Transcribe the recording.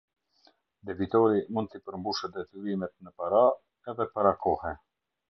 Debitori mund t'i përmbushë detyrimet në para edhe para kohe.